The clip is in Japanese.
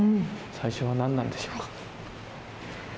最初は何なんでしょうか。